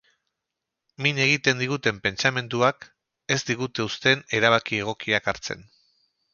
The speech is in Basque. Min egiten diguten pentsamentuak ez digute uzten erabaki egokiak hartzen.